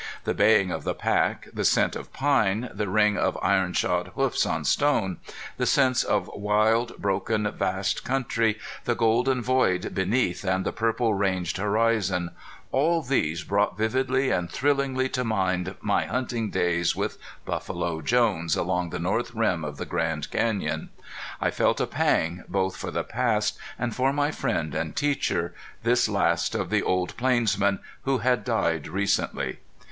The baying of the pack, the scent of pine, the ring of iron shod hoofs on stone, the sense of wild, broken, vast country, the golden void beneath and the purple ranged horizon all these brought vividly and thrillingly to mind my hunting days with Buffalo Jones along the north rim of the Grand Canyon. I felt a pang, both for the past, and for my friend and teacher, this last of the old plainsmen who had died recently.